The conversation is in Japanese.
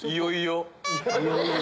いよいよ。